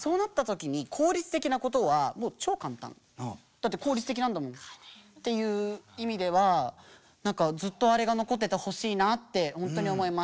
「だって効率的なんだもん」っていう意味では何かずっとあれが残っててほしいなってほんとに思います。